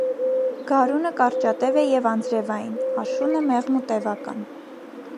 Գարունը կարճատև է և անձրևային, աշունը՝ մեղմ ու տևական։